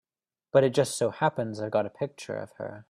But it just so happens I've got a picture of her.